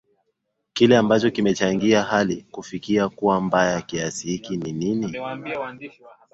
kile ambacho kimechangia hali kufikia kuwa mbaya kiasi hiki nini